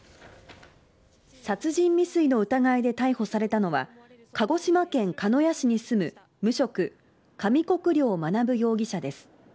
殺人未遂の疑いで逮捕されたのは鹿児島県鹿屋市に住む無職・上國料学容疑者です。